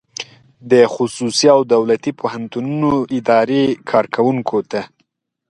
د خصوصي او دولتي پوهنتونونو اداري کارکوونکو ته